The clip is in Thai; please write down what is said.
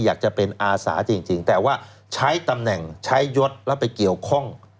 อยากจะเป็นอาสาจริงแต่ว่าใช้ตำแหน่งใช้ยศแล้วไปเกี่ยวข้อง